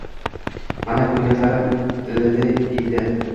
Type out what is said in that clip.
Mana, ko‘kaylarim ilidi, iydi